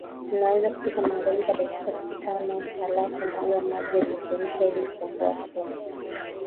Unaweza kupika maharage kwa dakika tanohalafu mwaga maji uliyochemshia ili kuondoa sumu